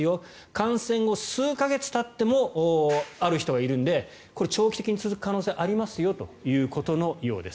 感染後、数か月たってもある人がいるのでこれ、長期的に続く可能性がありますよということのようです。